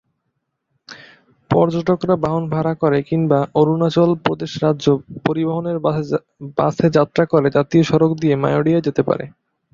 পর্যটকরা বাহন ভাড়া করে কিংবা অরুণাচল প্রদেশ রাজ্য পরিবহনের বাসে যাত্রা করে জাতীয় সড়ক দিয়ে মায়োডিয়ায় যেতে পারে।